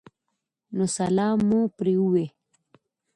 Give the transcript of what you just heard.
نو سلام مو پرې ووې